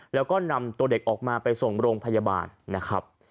แล้วก็นำตัวเด็กออกมาไปส่งโรงพยาบาลนะครับ